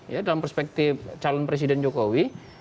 ya dalam perspektif calon presiden jokowi